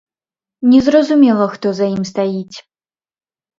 Незразумела, хто за ім стаіць.